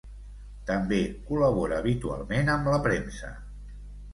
També col·labora habitualment amb la premsa.